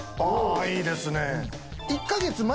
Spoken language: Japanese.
・いいですね。